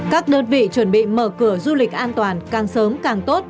các đơn vị chuẩn bị mở cửa du lịch an toàn càng sớm càng tốt